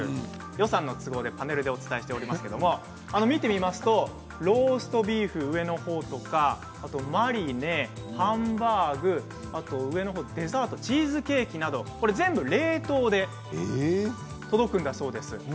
予算の都合でパネルでお伝えしていますけれども見てみますとローストビーフ、マリネ、ハンバーグデザートのチーズケーキなど全部冷凍で届くんだそうです。